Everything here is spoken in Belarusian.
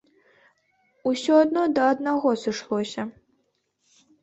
Усё адно да аднаго сышлося.